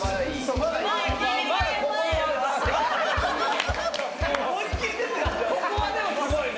ここはでもすごいね。